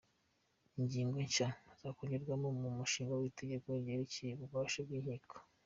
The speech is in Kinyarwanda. Ingingo nshya zakongerwa mu Mushinga w’Itegeko ryerekeye Ububasha bw’Inkiko;.